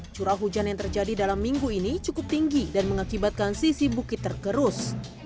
curah hujan yang terjadi dalam minggu ini cukup tinggi dan mengakibatkan sisi bukit tergerus